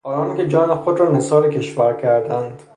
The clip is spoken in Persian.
آنان که جان خود را نثار کشور خود کردند